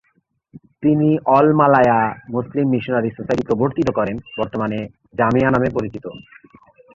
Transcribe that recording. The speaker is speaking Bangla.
তিনি অল-মালায়া মুসলিম মিশনারি সোসাইটি প্রবর্তিত করেন, বর্তমানে জামিয়া নামে পরিচিত।